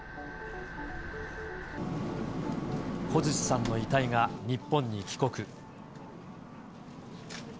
小槌さんの遺体が日本に帰国。